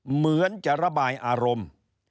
เหมือนจะระบายอารมณ์